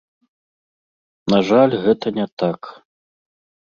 На жаль, гэта не так.